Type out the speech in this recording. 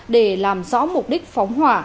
để làm rõ mục đích phóng hỏa